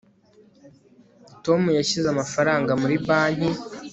tom yashyize amafaranga muri banki